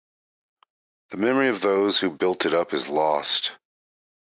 The memory of those who built it up is lost.